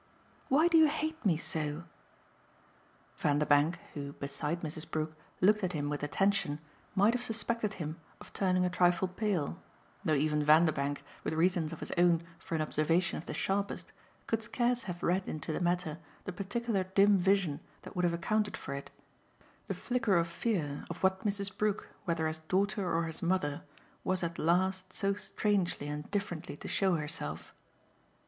"Why do you hate me so?" Vanderbank, who, beside Mrs. Brook, looked at him with attention, might have suspected him of turning a trifle pale; though even Vanderbank, with reasons of his own for an observation of the sharpest, could scarce have read into the matter the particular dim vision that would have accounted for it the flicker of fear of what Mrs. Brook, whether as daughter or as mother, was at last so strangely and differently to show herself.